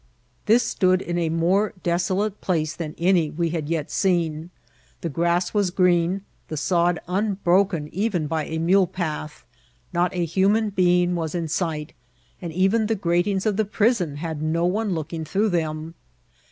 Thk stood in a m(»re desolate place than any we had yet seen. The grass was green, the sod unbroken even by a mule path, not a human being was in sight, and even the gratings of the prison had no one looking through them.